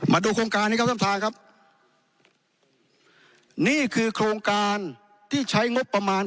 มาดูโครงการนี้ครับท่านประธานครับนี่คือโครงการที่ใช้งบประมาณ